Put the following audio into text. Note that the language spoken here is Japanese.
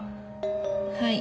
はい。